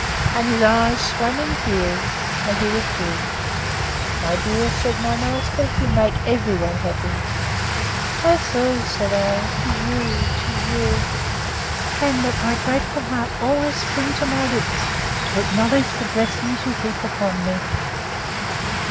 —And his eyes swam in tears, and he withdrew.—My dear, said my master, you make every one happy!—O, sir, said I, 'tis you, 'tis you! And let my grateful heart always spring to my lips, to acknowledge the blessings you heap upon me.